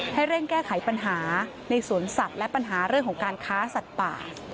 ให้เร่งแก้ไขปัญหาในสวนสัตว์และปัญหาเรื่องของการค้าสัตว์ป่า